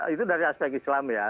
itu dari aspek islam ya